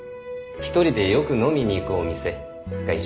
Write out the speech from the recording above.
１人でよく飲みに行くお店が一緒で。